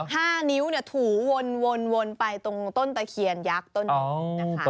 ห้านิ้วเนี่ยถูวนวนไปตรงต้นตะเคียนยักษ์ต้นนี้นะคะ